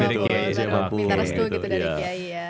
minta restu gitu dari kiai ya